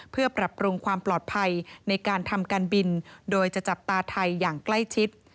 เพื่อปรับปรุงความปลอดภัยในการทำการบินโดยจะจับตาไทยอย่างใกล้ชิด